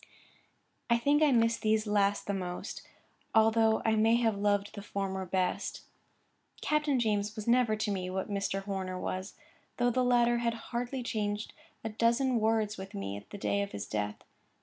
I think I miss these last the most, although I may have loved the former best. Captain James never was to me what Mr. Horner was, though the latter had hardly changed a dozen words with me at the day of his death.